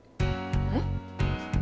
えっ？